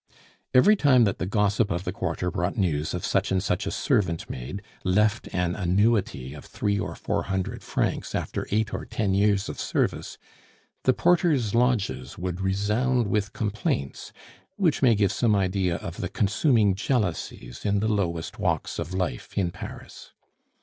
Every time that the gossip of the quarter brought news of such and such a servant maid, left an annuity of three or four hundred francs after eight or ten years of service, the porters' lodges would resound with complaints, which may give some idea of the consuming jealousies in the lowest walks of life in Paris.